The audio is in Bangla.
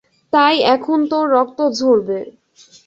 তাই এখন তোর রক্ত ঝরবে।